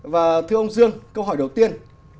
và thưa ông dương câu hỏi đầu tiên